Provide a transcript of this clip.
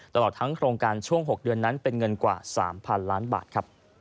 ตลอดทั้งโครงการช่วง๖เดือนนั้นเป็นเงินกว่า๓๐๐๐ล้านบาทครับ